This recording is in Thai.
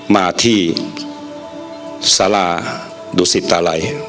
มาที่สาราดุสิตาลัย